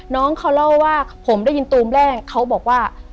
น้องเขาเล่าว่าผมได้ยินตูมแรกเขาบอกว่า